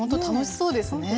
そうです。